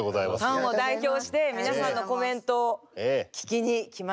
ファンを代表して皆さんのコメントを聞きにきました。